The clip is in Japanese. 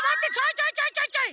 ちょいちょいちょいちょい。